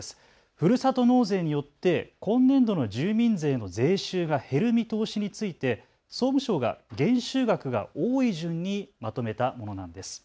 ふるさと納税によって今年度の住民税の税収が減る見通しについて総務省が減収額が多い順にまとめたものなんです。